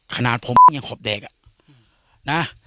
ขนาดยังขอบแดกอ่ะนะ